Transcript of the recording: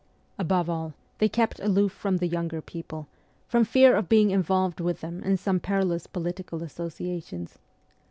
Above all they kept ST. PETERSBURG 39 aloof from the younger people, from fear of being in volved with them in some perilous political associations.